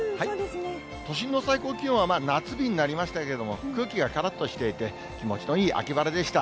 都心の最高気温は夏日になりましたけれども、空気がからっとしていて、気持ちのいい秋晴れでした。